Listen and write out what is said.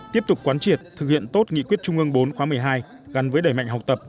tiếp tục quán triệt thực hiện tốt nghị quyết trung ương bốn khóa một mươi hai gắn với đẩy mạnh học tập